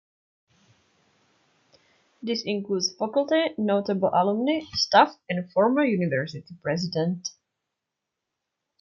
This includes faculty, notable alumni, staff, and former university Presidents.